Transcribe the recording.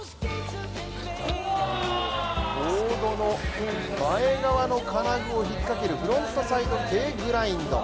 ボードの前側の金具を引っ掛けるフロントサイドＫグラインド。